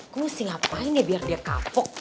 kok mesti ngapain dia biar dia kapok